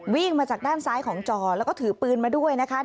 วิ่งมาจากด้านซ้ายของจอแล้วก็ถือปืนมาด้วยนะคะ